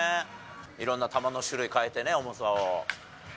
いろんな球の種類変えてね、重さを。